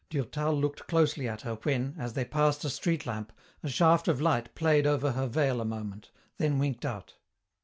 Durtal looked closely at her when, as they passed a street lamp, a shaft of light played over her veil a moment, then winked out.